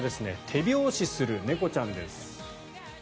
手拍子する猫ちゃんです。